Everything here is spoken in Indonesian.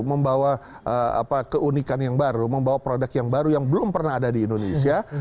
membawa keunikan yang baru membawa produk yang baru yang belum pernah ada di indonesia